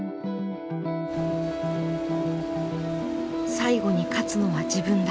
最後に勝つのは自分だ。